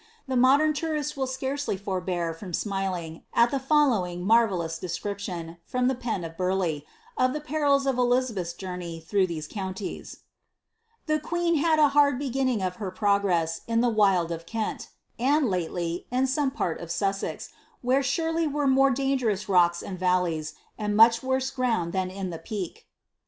The modem tourist will scarcely forbear from smiling at the following marvellous description, from the pen of Burleigh, of the perils of Elizabeth's journey through these counties :—^^^ The queen had • hard beginning of her progress in the wild of Kent, and, lately, in •ome part of Sussex, where surely were more dangerous rocks and val le3rs, and much worse ground than in the peak."'